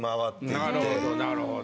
なるほどなるほど。